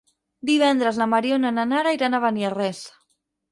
Divendres na Mariona i na Nara iran a Beniarrés.